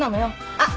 あっ！